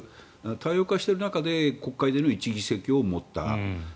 多様化している中で国会での１議席を持った。